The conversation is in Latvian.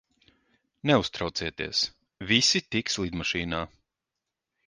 Neuztraucieties, visi tiks lidmašīnā.